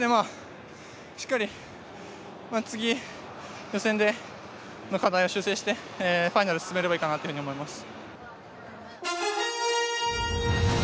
しっかり次、予選で課題を修正してファイナルに進めればいいかなと思います。